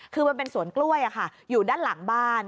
คือมันเป็นสวนกล้วยอยู่ด้านหลังบ้าน